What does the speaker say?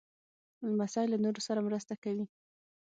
لمسی له نورو سره مرسته کوي.